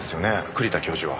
栗田教授は。